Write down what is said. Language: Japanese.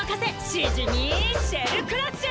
シジミーシェルクラッシュ！